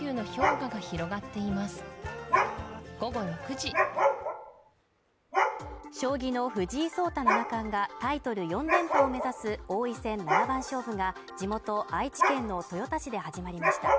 ＧｉｆｔｆｒｏｍｔｈｅＥａｒｔｈ将棋の藤井聡太七冠がタイトル４連覇を目指す王位戦七番勝負が地元・愛知県の豊田市で始まりました。